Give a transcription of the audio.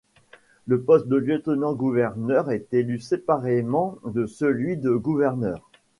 Le poste de lieutenant-gouverneur est élu séparément de celui de gouverneur.